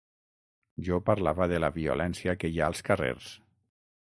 Jo parlava de la violència que hi ha als carrers.